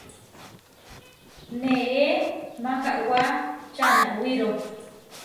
Neé Mahawá čanawíro.